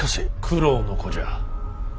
九郎の子じゃ。